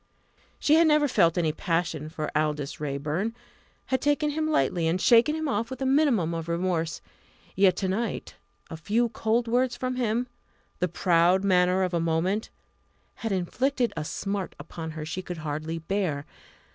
She had never felt any passion for Aldous Raeburn had taken him lightly and shaken him off with a minimum of remorse. Yet to night a few cold words from him the proud manner of a moment had inflicted a smart upon her she could hardly bear.